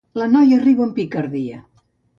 La noia riu amb picardia.